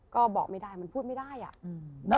ก็บอกไม่ได้มันพูดไม่ได้อ่ะ